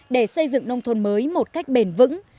để xây dựng nông thôn mới một cách bền vững